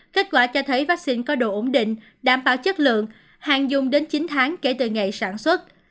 kết quả cho thấy vắc xin có độ ổn định đảm bảo chất lượng hạn dùng đến chín tháng kể từ ngày sản xuất